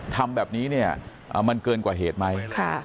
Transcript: ทำแบบนี้เนี่ยมันเกินกว่าเหตุไหม